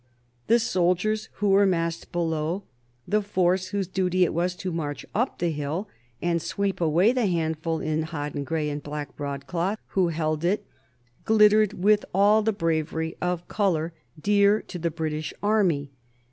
The soldiers who were massed below, the force whose duty it was to march up the hill and sweep away the handful in hodden gray and black broadcloth who held it, glittered with all the bravery of color dear to the British army.